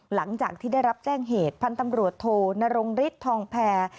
หลังจากที่ได้รับแจ้งเหตุพันธุ์ตำรวจโทนรงฤทธิ์ทองแพร